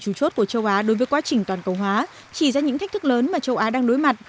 chủ chốt của châu á đối với quá trình toàn cầu hóa chỉ ra những thách thức lớn mà châu á đang đối mặt